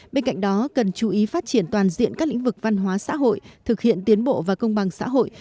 bên cạnh đó cần chú ý phát triển toàn diện các lĩnh vực văn hóa xã hội thực hiện tiến bộ và công bằng xã hội